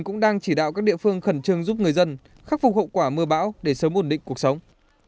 cũng đang chỉ đạo các địa phương khẩn trương giúp người dân khắc phục hậu quả mưa bão để sớm ổn định cuộc sống